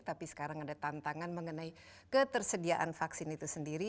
tapi sekarang ada tantangan mengenai ketersediaan vaksin itu sendiri